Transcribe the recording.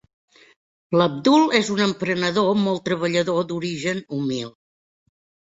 L'Abdul és un emprenedor molt treballador d'origen humil.